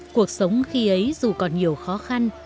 cuộc sống khi ấy dù còn nhiều khó khăn